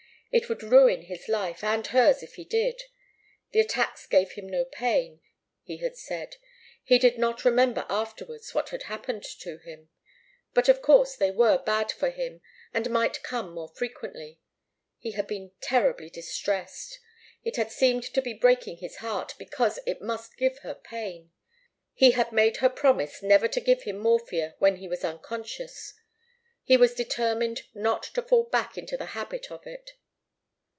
It would ruin his life and hers if he did. The attacks gave him no pain, he had said. He did not remember afterwards what had happened to him. But of course they were bad for him, and might come more frequently. He had been terribly distressed. It had seemed to be breaking his heart, because it must give her pain. He had made her promise never to give him morphia when he was unconscious. He was determined not to fall back into the habit of it.